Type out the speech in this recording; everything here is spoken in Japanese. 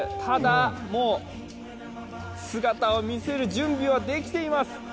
ただ、もう姿を見せる準備はできています。